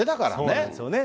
そうなんですよね。